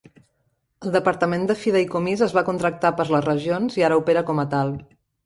El departament de fideïcomís es va contractar per les regions i ara opera com a tal.